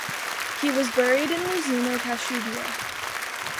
He was buried in Luzino - Kashubia.